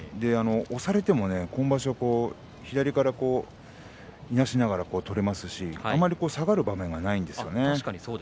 押されてもね、今場所左から、いなしながら取れますしあまり下がる場面がないですね。